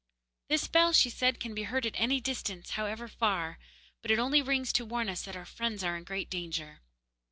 'This bell,' she said, 'can be heard at any distance, however far, but it only rings to warn us that our friends are in great danger.